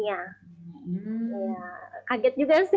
iya kaget juga sih